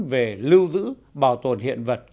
về lưu giữ bảo tồn hiện vật